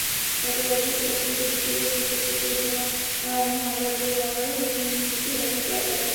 হরতাল-অবরোধে চাঁদপুরে দুর্বৃত্তদের পৃথক পেট্রলবোমা হামলায় পুড়ে অঙ্গার হয়েছেন নিরীহ একজন ট্রাকচালক।